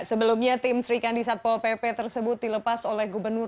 sebelumnya tim serikandi satpol pp tersebut dilepas oleh gubernur